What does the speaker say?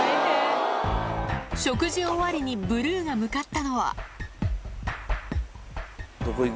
食事終わりにブルーが向かったのはどこ行く？